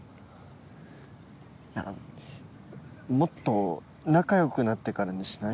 いやもっと仲よくなってからにしない？